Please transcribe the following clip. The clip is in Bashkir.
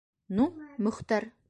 Ну, Мөхтәр!